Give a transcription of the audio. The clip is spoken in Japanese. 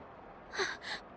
あっ。